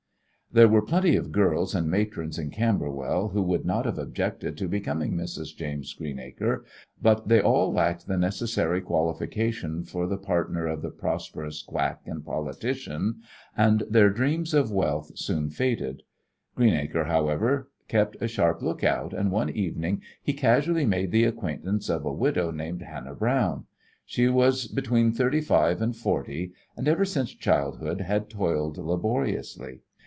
] There were plenty of girls and matrons in Camberwell who would not have objected to becoming Mrs. James Greenacre, but they all lacked the necessary qualification for the partner of the prosperous quack and politician, and their dreams of wealth soon faded. Greenacre, however, kept a sharp lookout, and one evening he casually made the acquaintance of a widow named Hannah Browne. She was between thirty five and forty and ever since childhood had toiled laboriously.